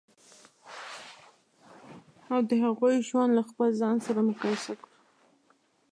او د هغوی ژوند له خپل ځان سره مقایسه کړو.